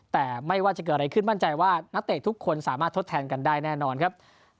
แต่ไม่ว่าจะเกิดอะไรขึ้นมั่นใจว่านักเตะทุกคนสามารถทดแทนกันได้แน่นอนครับ